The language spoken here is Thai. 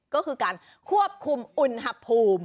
ก็คือการควบคุมอุณหภูมิ